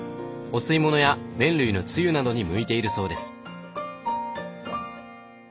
お吸い物や麺類のつゆなどに向いているそうです。